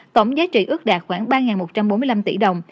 tổng giá trị ước đạt khoảng ba một trăm bốn mươi năm tỷ đồng